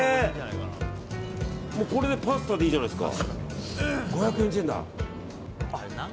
もうこれでパスタでいいじゃないですか。